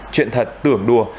chuyện thật tưởng đùa